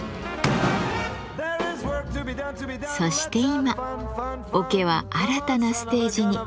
そして今桶は新たなステージに。